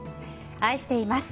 愛しています。